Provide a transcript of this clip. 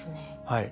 はい。